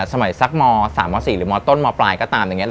สมัยสักม๓ม๔หรือมต้นมปลายก็ตามอย่างนี้